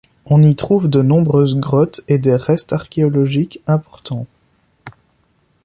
On y trouve de nombreuses grottes et des restes archéologiques importants.